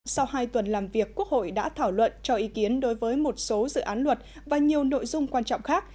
sau hai tuần làm việc quốc hội đã thảo luận cho ý kiến đối với một số dự án luật và nhiều nội dung quan trọng khác